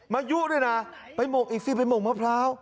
มายุด้วยนะไปหมกอีกสิไปหมกมะพร้าว